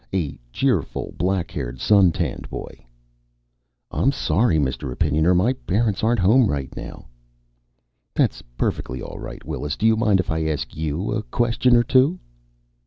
A cheerful, black haired, sun tanned boy._) "I'm sorry, Mr. Opinioner, my parents aren't home right now." "That's perfectly all right, Willis. Do you mind if I ask you a question or two?"